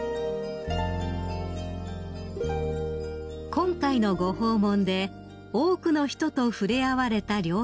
［今回のご訪問で多くの人と触れ合われた両陛下］